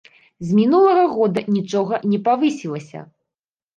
З мінулага года нічога не павысілася.